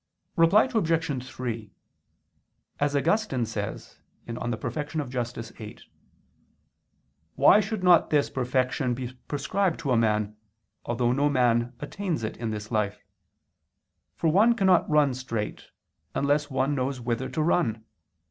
Reply Obj. 3: As Augustine says (De Perfect. Justit. viii), "why should not this perfection be prescribed to man, although no man attains it in this life? For one cannot run straight unless one knows whither to run.